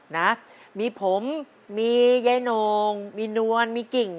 นะมีผมมียายโน่งมีนวลมีกิ่ง